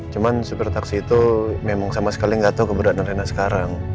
cuman supir taksi itu memang sama sekali nggak tahu keberadaan rena sekarang